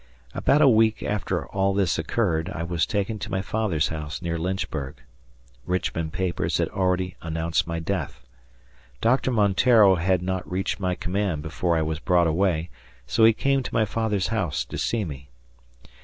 About a week after all this occurred I was taken to my father's house near Lynchburg. Richmond papers had already announced my death. Doctor Monteiro had not reached my command before I was brought away, so he came to my father's house to see me.